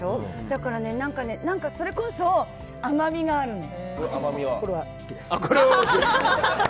だから、それこそ甘みがあるの。